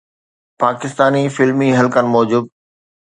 پاڪستاني فلمي حلقن موجب